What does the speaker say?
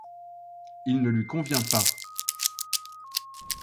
Il ne lui convient pas !